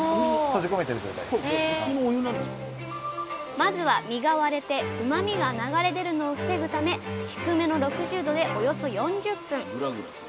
まずは身が割れてうまみが流れ出るのを防ぐため低めの６０℃でおよそ４０分。